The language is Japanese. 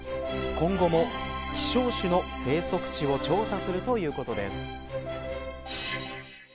今後も希少種の生息地を調査するということです。